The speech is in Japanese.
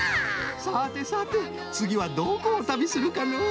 さてさてつぎはどこを旅するかのう。